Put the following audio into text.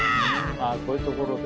あぁこういうところで。